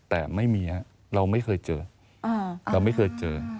แต่ไม่มีเราไม่เคยเจอ